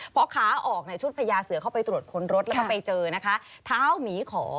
เพราะขาออกในชุดพญาเสือเข้าไปตรวจค้นรถแล้วก็ไปเจอท้าวหมีขอ